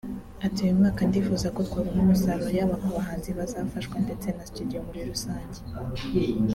Ati “ Uyu mwaka ndifuza ko twabona umusaruro yaba ku bahanzi bazafashwa ndetse na studio muri rusange